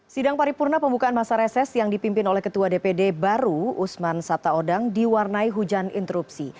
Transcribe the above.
sidang paripurna pembukaan masa reses yang dipimpin oleh ketua dpd baru usman sabtaodang diwarnai hujan interupsi